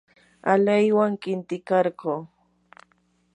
alaywan qintikarquu.